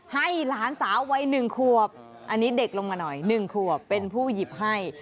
ให้หลานสาววัย๑ขวบอันนี้เด็กลงมาหน่อย๑ขวบเป็นผู้หยิบให้